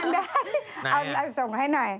มันได้ส่งให้หน่อย